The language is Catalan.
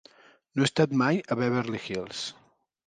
No he estat mai a Beverly Hills.